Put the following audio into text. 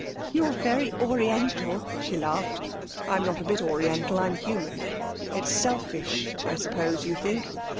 'You're very Oriental!' she laughed. 'I'm not a bit Oriental; I'm human. It's selfish, I suppose, you think?